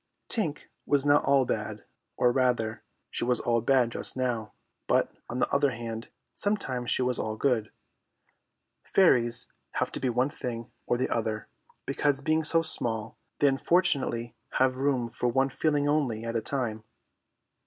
Tink was not all bad; or, rather, she was all bad just now, but, on the other hand, sometimes she was all good. Fairies have to be one thing or the other, because being so small they unfortunately have room for one feeling only at a time.